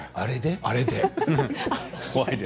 あれで？